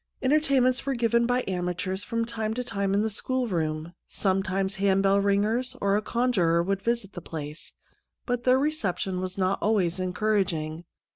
Entertainments were given by amateurs from time to time in the schoolroom ; sometimes hand bell ringers or a conjurer would visit the place, but their re ception was not always encouraging.